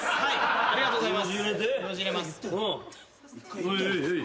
ありがとうございます。